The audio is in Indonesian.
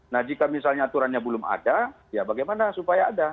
nah jika misalnya aturannya belum ada ya bagaimana supaya ada